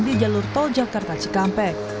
di jalur tol jakarta cikampek